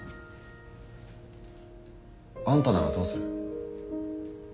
あんたならどうする？